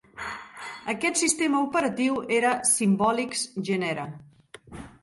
Aquest sistema operatiu era Symbolics Genera.